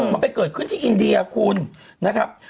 มันไปเกิดขึ้นที่อินเดียคุณนะครับ